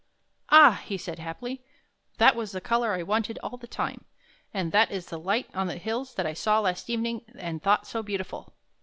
" Ah," he said happily, " that was the color I wanted all the time! And that is the light on the hills that I saw last evening and thought so beautiful!